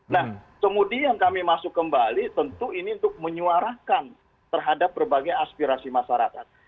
nah kemudian kami masuk kembali tentu ini untuk menyuarakan terhadap berbagai aspirasi masyarakat